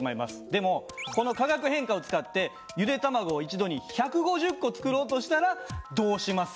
でもこの化学変化を使ってゆで卵を一度に１５０個作ろうとしたらどうしますか？